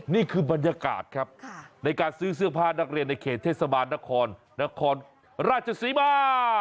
นี่คือบรรยากาศครับในการซื้อเสื้อผ้านักเรียนในเขตเทศบาลนครนครราชศรีมา